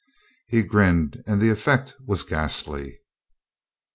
He grinned, and the effect was ghastly.